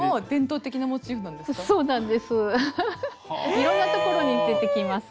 いろんなところに出てきます。